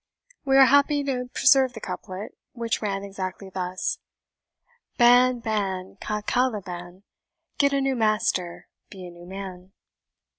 We are happy to preserve the couplet, which ran exactly thus, "Ban, ban, ca Caliban Get a new master Be a new man."